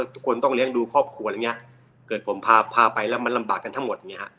ทุกคนต้องเลี้ยงดูครอบครัวอย่างนี้เกิดผมพาไปแล้วมันลำบากกันทั้งหมด